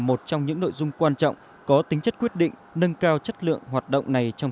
một trong những nội dung quan trọng có tính chất quyết định nâng cao chất lượng hoạt động này trong